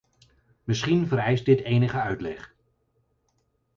Misschien vereist dit enige uitleg.